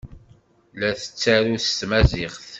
La tettaru s tmaziɣt.